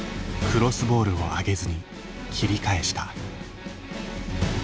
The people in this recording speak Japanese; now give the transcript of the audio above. クロスボールを上げずに切り返した。